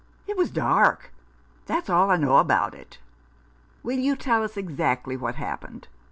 It was dark — that's all I know about it." " Will you tell us exactly what happened ?